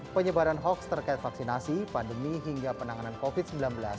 penyebaran hoax terkait vaksinasi pandemi hingga penanganan covid sembilan belas